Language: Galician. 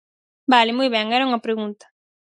Vale, moi ben, era unha pregunta.